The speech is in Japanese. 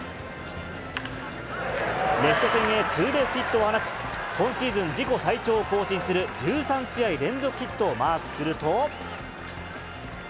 レフト線へツーベースヒットを放ち、今シーズン自己最長を更新する１３試合連続ヒットをマークすると。